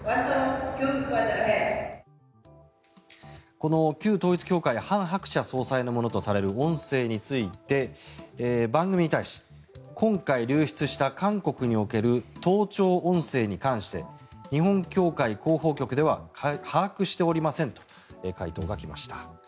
この旧統一教会ハン・ハクチャ総裁のものとされる音声について、番組に対し今回流出した韓国における盗聴音声に関して日本教会広報局では把握しておりませんと回答が来ました。